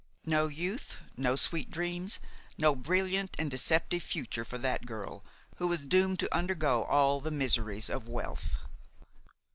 No youth, no sweet dreams, no brillant and deceptive future for that girl, who was doomed to undergo all the miseries of wealth.